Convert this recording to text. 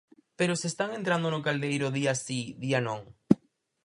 Pero se están entrando no caldeiro día si, día non.